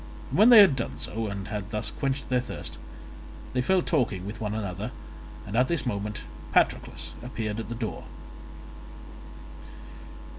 When they had done so and had thus quenched their thirst, they fell talking with one another, and at this moment Patroclus appeared at the door.